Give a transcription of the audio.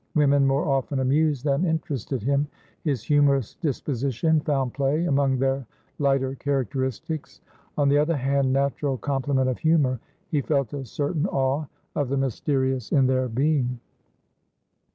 Women more often amused than interested him; his humorous disposition found play among their lighter characteristics, and on the other handnatural complement of humourhe felt a certain awe of the mysterious in their being.